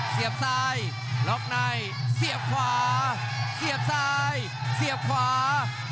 เสียบซ้ายล็อกในเสียบขวาเสียบซ้ายเสียบขวา